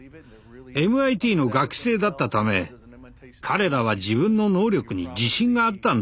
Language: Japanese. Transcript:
ＭＩＴの学生だったため彼らは自分の能力に自信があったんだろう。